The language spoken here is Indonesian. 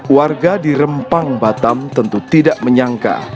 warga di rempang batam tentu tidak menyangka